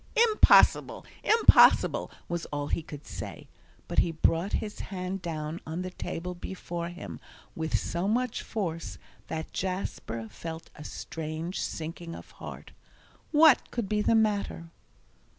"Impossible, impossible!" was all he could say, but he brought his hand down on the table before him with so much force that Jasper felt a strange sinking of heart. What could be the matter?